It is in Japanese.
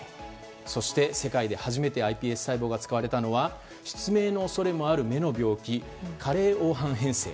そして、世界で初めてｉＰＳ細胞が使われたのは失明の恐れのある目の病気、加齢黄斑変性。